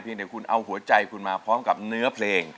เดี๋ยวคุณเอาหัวใจคุณมาพร้อมกับเนื้อเพลง